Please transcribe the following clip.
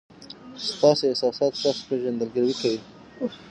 ستاسي احساسات ستاسي پېژندګلوي کوي.